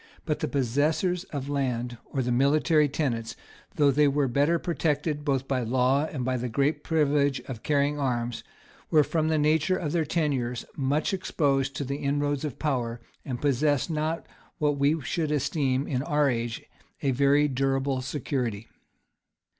But the possessors of land, or the military tenants, though they were better protected, both by law and by the great privilege of carrying arms, were, from the nature of their tenures, much exposed to the inroads of power, and possessed not what we should esteem in our age a very durable security.